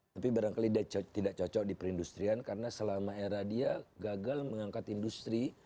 tapi barangkali tidak cocok di perindustrian karena selama era dia gagal mengangkat industri